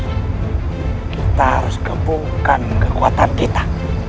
kita harus gebungkan kekuatan kita